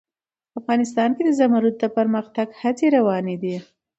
افغانستان کې د زمرد د پرمختګ هڅې روانې دي.